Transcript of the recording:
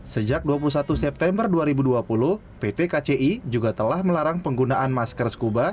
sejak dua puluh satu september dua ribu dua puluh pt kci juga telah melarang penggunaan masker scuba